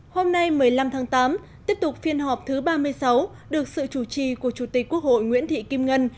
hôm nay một mươi năm tháng tám tiếp tục phiên họp thứ ba mươi sáu được sự chủ trì của chủ tịch quốc hội nguyễn thị kim ngân